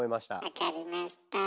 わかりました。